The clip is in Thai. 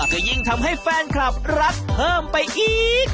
ก็ยิ่งทำให้แฟนคลับรักเพิ่มไปอีก